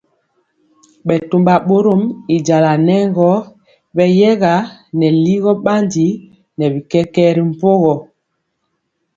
Bɛtɔmba bɔrɔm y jala nɛ gɔ beyɛga nɛ ligɔ bandi nɛ bi kɛkɛɛ ri mpogɔ.